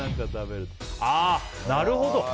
なるほど。